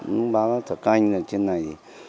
nước báo thở canh trên này